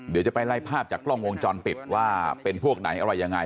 เดี๋ยวจะไปไล่ภาพจากกล้องวงจรปิดว่าเป็นพวกไหนอะไรยังไง